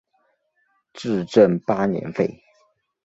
至正八年废。